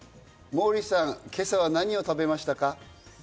モーリーさん、今朝は何を食べましたか？